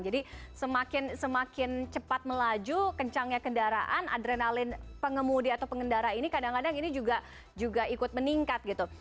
jadi semakin cepat melaju kencangnya kendaraan adrenalin pengemudi atau pengendara ini kadang kadang ini juga ikut meningkat gitu